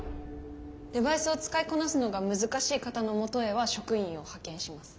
デバイスを使いこなすのが難しい方のもとへは職員を派遣します。